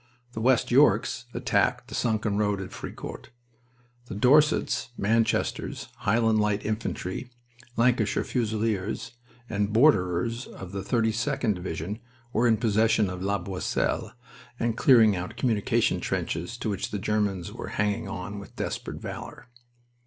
The West Yorks attacked the sunken road at Fricourt. The Dorsets, Manchesters, Highland Light Infantry, Lancashire Fusiliers, and Borderers of the 32d Division were in possession of La Boisselle and clearing out communication trenches to which the Germans were hanging on with desperate valor.